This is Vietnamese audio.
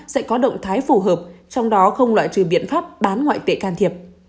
sẽ có động thái phù hợp trong đó không loại trừ biện pháp bán ngoại tệ can thiệp